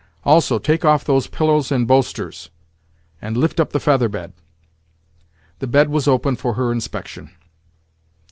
Also, take off those pillows and bolsters, and lift up the feather bed." The bed was opened for her inspection.